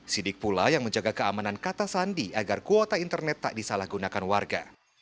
sidik pula yang menjaga keamanan kata sandi agar kuota internet tak disalahgunakan warga